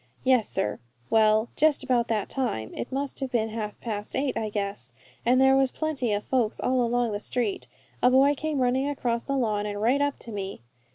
"Yes, sir. Well, just about that time it must have been half past eight, I guess and there was plenty of folks all along the street, a boy came running across the lawn and right up to me.